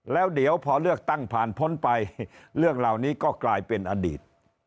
แล้วเดี๋ยวพอเลือกตั้งผ่านพ้นไปเรื่องเหล่านี้ก็กลายเป็นอดีต